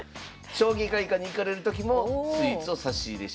将棋会館に行かれるときもスイーツを差し入れしていくと。